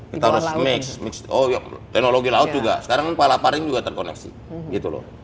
kita harus mix mix oh teknologi laut juga sekarang palaparing juga terkoneksi gitu loh